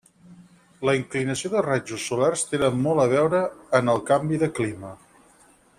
La inclinació dels raigs solars tenen molt a veure en el canvi de clima.